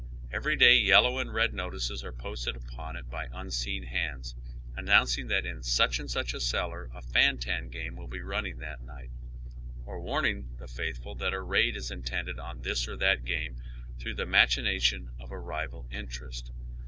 Every day yellow and red notices are posted npon it by unseen bauds, announcing that in such and such a cellar a fan tan game will be running that night, or warning the faithful tiiat a raid is intended on this or that game through the machination of a rival in terest.